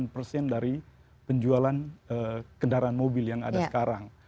delapan persen dari penjualan kendaraan mobil yang ada sekarang